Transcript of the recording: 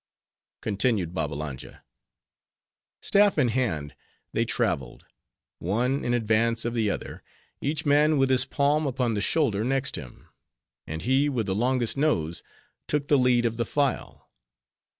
Continued Babbalanja, "Staff in hand, they traveled; one in advance of the other; each man with his palm upon the shoulder next him; and he with the longest nose took the lead of the file.